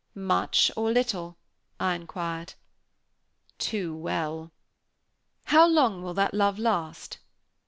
"Much or little?" I inquired. "Too well." "How long will that love last?"